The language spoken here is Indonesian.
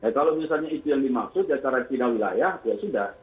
kalau misalnya itu yang dimaksud ya karantina wilayah ya sudah